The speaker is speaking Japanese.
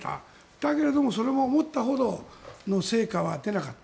だけれども、それも思ったほどの成果は出なかった。